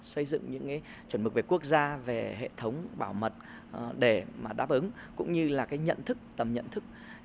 xây dựng những chuẩn mực về quốc gia về hệ thống bảo mật để đáp ứng cũng như là tầm nhận thức